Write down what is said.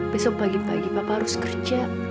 besok pagi pagi bapak harus kerja